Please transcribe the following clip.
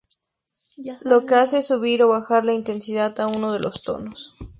Lo que hace es subir o bajar la intensidad a uno de los tonos.